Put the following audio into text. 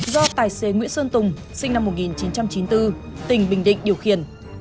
do tài xế nguyễn xuân tùng sinh năm một nghìn chín trăm chín mươi bốn tỉnh bình định điều khiển